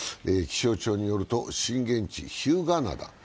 気象庁によると震源地・日向灘。